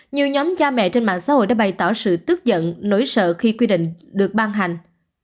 nhiều nhóm cha mẹ trên mạng xã hội đã bày tỏ sự tức giận nỗi sợ khi quy định được ban hành